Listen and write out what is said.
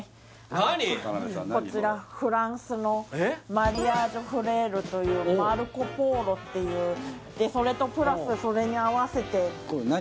マリアージュフレールというマルコポーロっていうでそれとプラスそれに合わせて何？